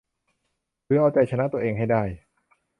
หรือเอาชนะใจตัวเองให้ได้